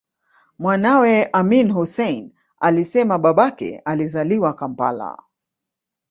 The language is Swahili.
Mwanawe Amin Hussein alisema babake alizaliwa Kampala